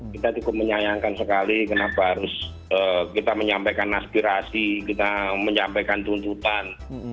kita cukup menyayangkan sekali kenapa harus kita menyampaikan aspirasi kita menyampaikan tuntutan